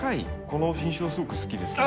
この品種はすごく好きですね。